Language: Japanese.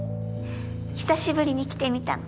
久しぶりに着てみたの。